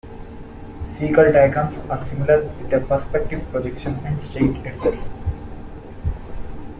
Schlegel diagrams are similar, with a perspective projection and straight edges.